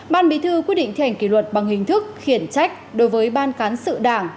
ban bí thư quyết định thi hành kỷ luật bằng hình thức khiển trách đối với ban cán sự đảng